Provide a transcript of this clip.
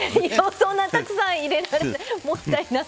そんなたくさん入れられない。